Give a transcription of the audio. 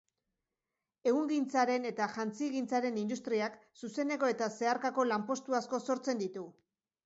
Ehungintzaren eta jantzigintzaren industriak zuzeneko eta zeharkako lanpostu asko sortzen ditu.